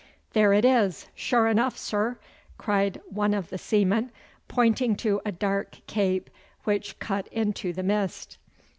'There it is, sure enough, sir!' cried one of the seamen, pointing to a dark cape which cut into the mist.